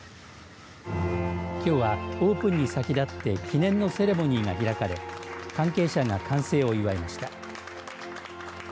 きょうはオープンに先立って記念のセレモニーが開かれ関係者が完成を祝いました。